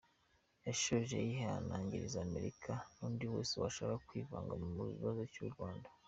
Yashoje yihanangiriza Amerika n’undi wese washaka kwivanga mu kibazo cy’u Rwanda.